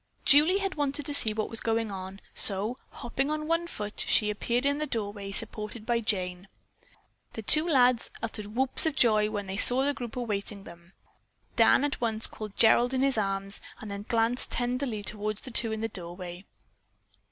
Julie had wanted to see what was going on, so hopping on one foot, she appeared in the doorway, supported by Jane. The two lads uttered whoops of joy when they saw the group awaiting them. Dan at once caught Gerald in his arms and then glanced tenderly toward the two in the doorway.